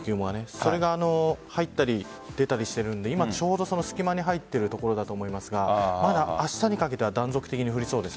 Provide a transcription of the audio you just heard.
それが入ったり出たりしているので今ちょうどその隙間に入っているところだと思いますが明日にかけては断続的に降りそうです。